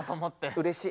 うれしい。